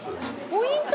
ポイント